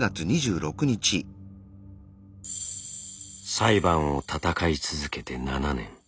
裁判を闘い続けて７年。